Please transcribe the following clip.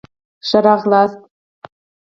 ښه را غلاست